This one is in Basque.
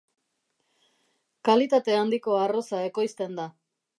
Kalitate handiko arroza ekoizten da.